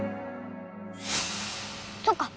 そっか！